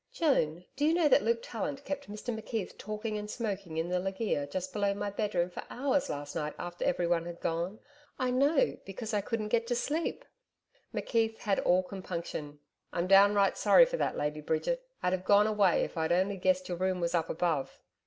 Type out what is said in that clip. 'Joan, do you know that Luke Tallant kept Mr McKeith talking and smoking in the loggia just below my bedroom for hours last night after every one had gone I know, because I couldn't get to sleep.' McKeith had all compunction, 'I'm downright sorry for that, Lady Bridget. I'd have gone away if I'd only guessed your room was up above.'